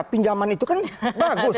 pinjaman itu kan bagus